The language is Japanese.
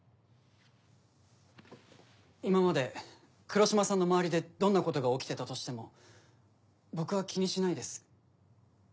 今まで黒島さんの周りでどんなことが起きてたとしても僕は気にしないです。